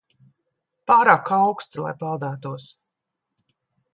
Pārāk auksts, lai peldētos.